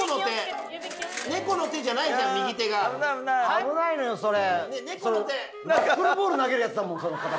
危ないのよそれ。